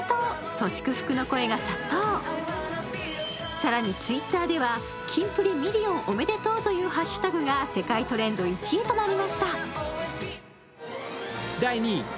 更にＴｗｉｔｔｅｒでは「＃キンプリミリオンおめでとう」というハッシュタグが世界トレンド１位となりました。